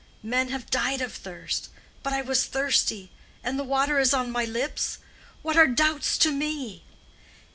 Men have died of thirst. But I was thirsty, and the water is on my lips! What are doubts to me?